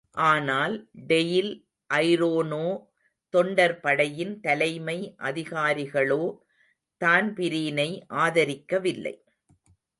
ஆனால் டெயில் ஐரோனோ, தொண்டர் படையின் தலைமை அதிகாரிகளோ தான்பிரீனை ஆதரிக்கவில்லை.